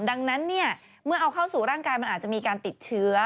ดังนั้นเมื่อเอาเข้าสู่ร่างกายมันอาจจะมีการติดเชื้อ